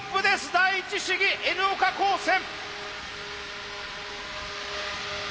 第一試技Ｎ岡高専。